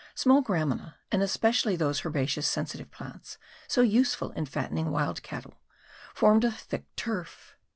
Small gramina and especially those herbaceous sensitive plants so useful in fattening half wild cattle, formed a thick turf.